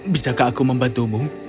bisakah aku membantumu